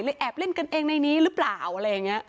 แอบเล่นกันเองในนี้หรือเปล่าอะไรอย่างนี้